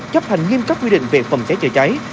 chấp hành nghiêm các quy định về phòng cháy chữa cháy